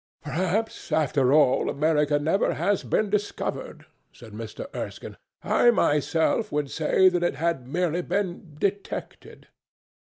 "Perhaps, after all, America never has been discovered," said Mr. Erskine; "I myself would say that it had merely been detected."